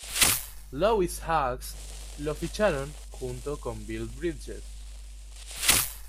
Louis Hawks lo ficharon junto con Bill Bridges.